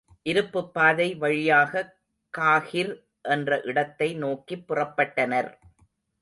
இருப்புப் பாதை வழியாகக் காஹிர் என்ற இடத்தை நோக்கிப் புறப்பட்டனர்.